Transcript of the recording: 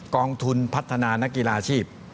กองทุนพัฒนานักกีฬาอาชีพ